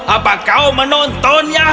apa kau menontonnya